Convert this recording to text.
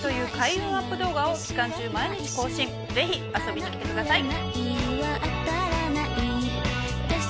ぜひ遊びに来てください。